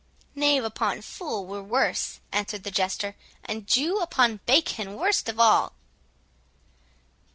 "Knave upon fool were worse," answered the Jester, "and Jew upon bacon worst of all."